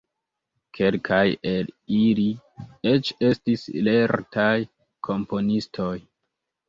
Kelkaj el ili eĉ estis lertaj komponistoj.